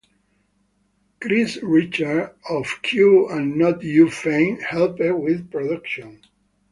Chris Richards, of Q and Not U fame, helped with production.